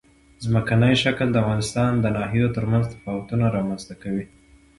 ځمکنی شکل د افغانستان د ناحیو ترمنځ تفاوتونه رامنځ ته کوي.